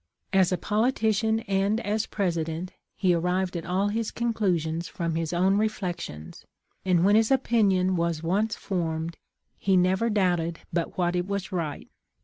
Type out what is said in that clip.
"As a politician and as President, he arrived at all his conclusions from his own reflections, and when his opinion was once formed, he never doubted but what it was right.